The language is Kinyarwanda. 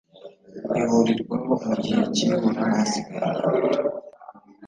ihurirwaho mu gihe cy ihura hasigaye igihe gito